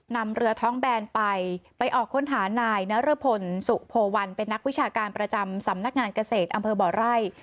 นำเรือท้องแบนไปไปออกค้นหานายนรพลสุโพวันเป็นนักวิชาการประจำสำนักงานเกษตรอำเภอบ่อไร่